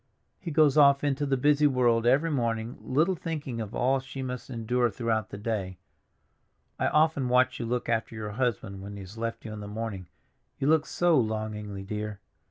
He goes off into the busy world every morning, little thinking of all she must endure throughout the day. I often watch you look after your husband when he has left you in the morning; you look so longingly, dear.